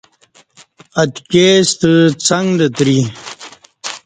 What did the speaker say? اتکی ستہ څݣ لتری